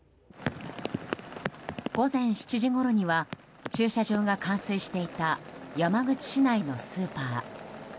午前７時ごろには駐車場が冠水していた山口市内のスーパー。